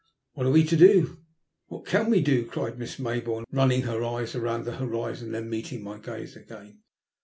"What are we to do? What can we do?" cried Miss Mayboume, running her eyes round the horizon and then meeting my gaze again.